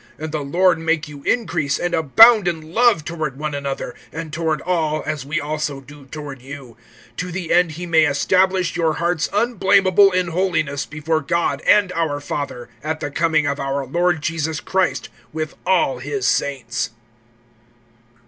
(12)And the Lord make you increase and abound in love toward one another, and toward all, as we also do toward you; (13)to the end he may establish your hearts unblamable in holiness before God and our Father, at the coming of our Lord Jesus Christ with all his saints.